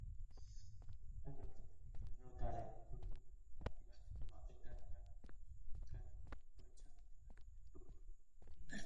Ur-errotaren turbinak translazio eta indar prozesu mekaniko bikoitza eragiten du.